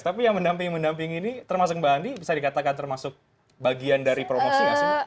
tapi yang mendampingi mendampingi ini termasuk mbak andi bisa dikatakan termasuk bagian dari promosi nggak sih